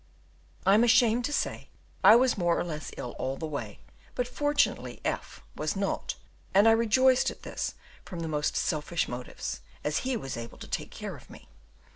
I am ashamed to say I was more or less ill all the way, but, fortunately, F was not, and I rejoiced at this from the most selfish motives, as he was able to take care of me.